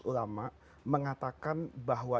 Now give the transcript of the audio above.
ulama mengatakan bahwa